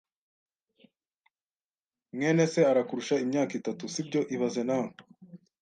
mwene se arakurusha imyaka itatu, sibyo ibaze nawe